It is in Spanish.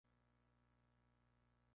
Es originario de Nueva Caledonia y Vanuatu.